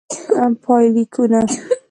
پایلیکونه: